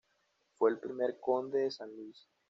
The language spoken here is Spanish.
Fue el primer conde de San Luis.